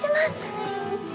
よいしょ。